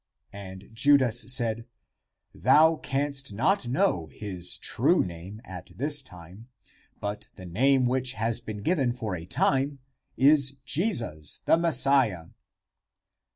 And Judas said, " Thou canst not know his true name at this time, but the name which has been given for a time is Jesus the Messiah."